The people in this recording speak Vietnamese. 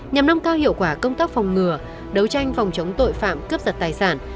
nhằm nâng cao hiệu quả công tác phòng ngừa đấu tranh phòng chống tội phạm cướp giật tài sản